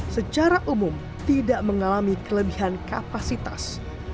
secara umum tidak mengalami kelebihan kapasitas